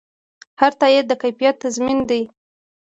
هر تایید د کیفیت تضمین دی.